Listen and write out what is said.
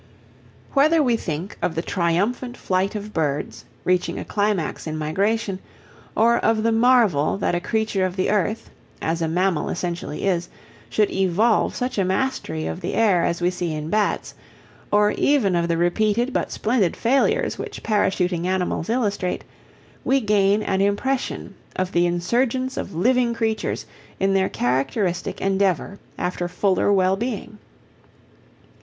Whether we think of the triumphant flight of birds, reaching a climax in migration, or of the marvel that a creature of the earth as a mammal essentially is should evolve such a mastery of the air as we see in bats, or even of the repeated but splendid failures which parachuting animals illustrate, we gain an impression of the insurgence of living creatures in their characteristic endeavour after fuller well being.